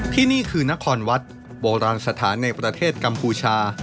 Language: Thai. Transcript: ที่นี่คือนครวัดโบราณสถานในประเทศกัมพูชา